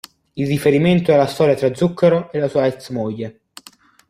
Il riferimento è alla storia tra Zucchero e la sua ex moglie.